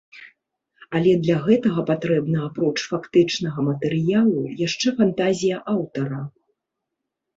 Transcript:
Але для гэтага патрэбна, апроч фактычнага матэрыялу, яшчэ фантазія аўтара.